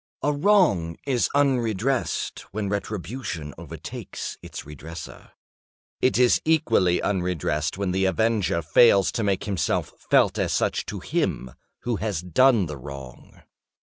A wrong is unredressed when retribution overtakes its redresser. It is equally unredressed when the avenger fails to make himself felt as such to him who has done the wrong.